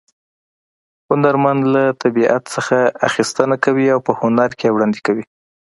هنرمن له طبیعت څخه اخیستنه کوي او په هنر کې یې وړاندې کوي